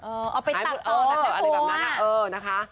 เออเอาไปตัดเออเอออะไรแบบนั้นค่ะเออนะคะ